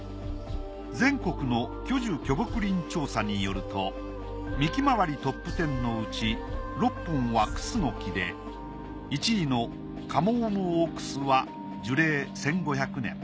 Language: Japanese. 全国の巨樹・巨木林調査によると幹周りトップ１０のうち６本はクスノキで１位の蒲生の大クスは樹齢１，５００年。